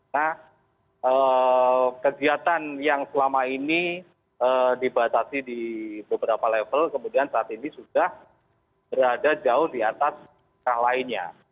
nah kegiatan yang selama ini dibatasi di beberapa level kemudian saat ini sudah berada jauh di atas lainnya